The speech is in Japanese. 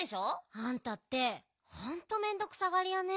あんたってほんとめんどくさがりやね。